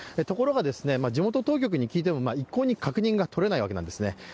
ところが、地元当局に聞いても一向に確認がとれないわけなんですね。